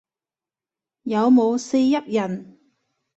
有冇四邑人